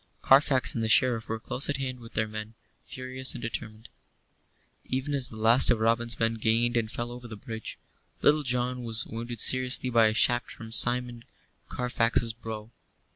Carfax and the Sheriff were close at hand with their men, furious and determined. Even as the last of Robin's men gained and fell over the bridge, Little John was wounded seriously by a shaft from Simeon Carfax's bow.